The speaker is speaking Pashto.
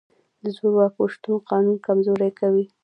د زورواکو شتون قانون کمزوری کوي.